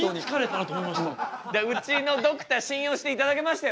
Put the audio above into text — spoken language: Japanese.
うちのドクター信用していただけましたよね？